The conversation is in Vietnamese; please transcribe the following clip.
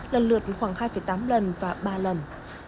lần lượt khoảng hai tám lần và ba lần